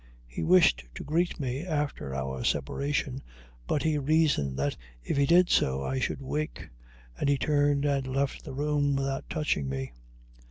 He wished to greet me, after our separation, but he reasoned that if he did so I should wake, and he turned and left the room without touching me.